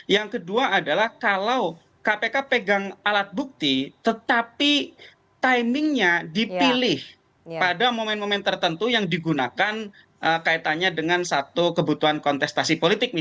yang kedua adalah kalau kpk pegang alat bukti tetapi timingnya dipilih pada momen momen tertentu yang digunakan kaitannya dengan satu kebutuhan kontestasi politik